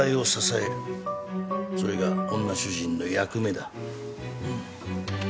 それが女主人の役目だ。